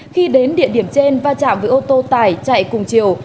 khi đến địa điểm trên va chạm với ô tô tải chạy cùng chiều